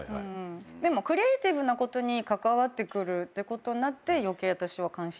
でもクリエーティブなことに関わってくるってことになって余計私は関心。